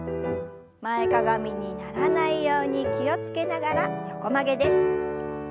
前かがみにならないように気を付けながら横曲げです。